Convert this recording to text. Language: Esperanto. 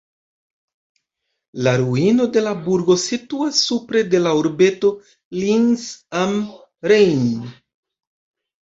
La ruino de la burgo situas supre de la urbeto Linz am Rhein.